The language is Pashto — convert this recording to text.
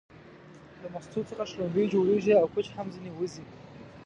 له مستو څخه شلومبې جوړيږي او کوچ هم ځنې وځي